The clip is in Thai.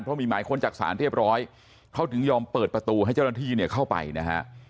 เพราะมีหมายค้นจากศาลเรียบร้อยเขาถึงยอมเปิดประตูให้เจ้าหน้าที่เนี่ยเข้าไปนะฮะ